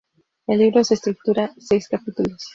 El libro se estructura seis capítulos.